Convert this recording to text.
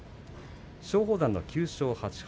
松鳳山、９勝８敗。